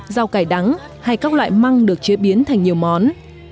rau cải đắng hay các loại măng được chế biến thành nhiều món